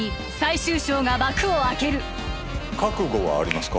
ついに覚悟はありますか？